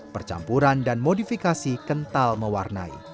percampuran dan modifikasi kental mewarnai